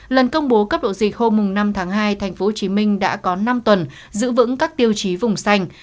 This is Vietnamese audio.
lần công bố cấp độ dịch hôm năm tháng hai tp hcm đã có năm tuần giữ vững các tiêu chí vùng xanh